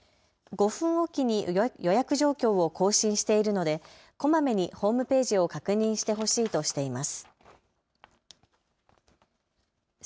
５分置きに予約状況を更新しているのでこまめにホームページを確認してほしいとしています。